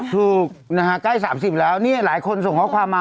ถูกนะฮะใกล้๓๐แล้วเนี่ยหลายคนส่งข้อความมา